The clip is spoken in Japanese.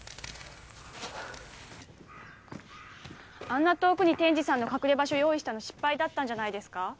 あんな遠くに天智さんの隠れ場所用意したの失敗だったんじゃないですか？